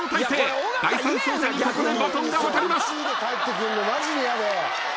第３走者にここでバトンが渡ります！